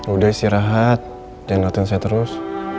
udah istri rahat jangan latihan saya terus